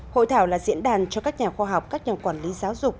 hội thảo là diễn đàn cho các nhà khoa học các nhà quản lý giáo dục